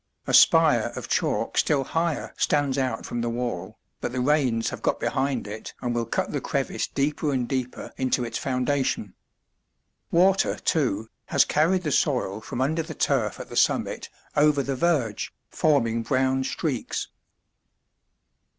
A spire of chalk still higher stands out from the wall, but the rains have got behind it and will cut the crevice deeper and deeper into its foundation. Water, too, has carried the soil from under the turf at the summit over the verge, forming brown streaks.